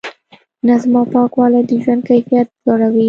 نظم او پاکوالی د ژوند کیفیت لوړوي.